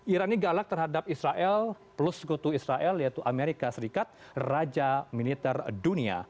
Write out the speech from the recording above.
irani galak terhadap israel plus sekutu israel yaitu amerika serikat raja militer dunia